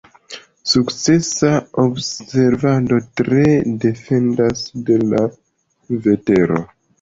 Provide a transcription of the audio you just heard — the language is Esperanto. Sukcesa observado tre dependas de la vetero.